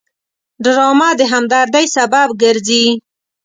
ډرامه د همدردۍ سبب ګرځي